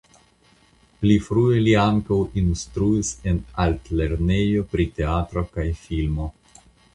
Pli frue li ankaŭ instruis en Altlernejo pri Teatro kaj Filmo.